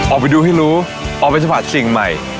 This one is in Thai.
ออกไปดูให้รู้ออกไปสัมผัสสิ่งใหม่